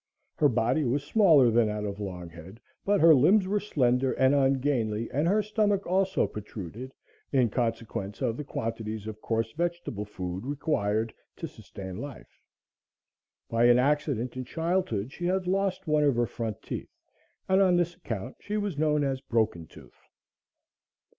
Her body was smaller than that of Longhead; but her limbs were slender and ungainly and her stomach also protruded, in consequence of the quantities of coarse vegetable food required to sustain life. By an accident in childhood, she had lost one of her front teeth, and on this account, she was known as Broken Tooth.